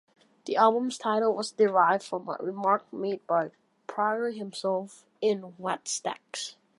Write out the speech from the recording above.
The album's title was derived from a remark made by Pryor himself in "Wattstax".